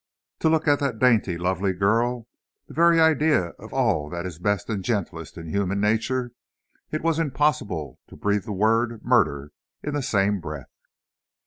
To look at that dainty, lovely girl, the very ideal of all that is best and gentlest in human nature, it was impossible to breathe the word murder in the same breath!